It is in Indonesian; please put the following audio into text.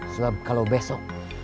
sebab kalau besok